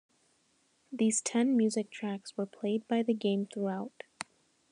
These ten music tracks were played by the game throughout.